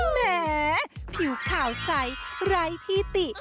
แหมผิวขาวใสไร้ที่ติ